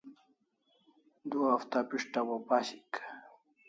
Du hafta pishtaw o pashik